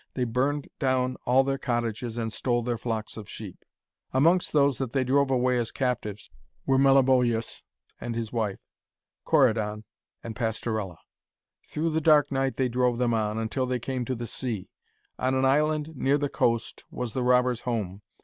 They burned down all their cottages, and stole their flocks of sheep. Amongst those that they drove away as captives were Meliboeus and his wife, Corydon, and Pastorella. Through the dark night they drove them on, until they came to the sea. On an island near the coast was the robbers' home.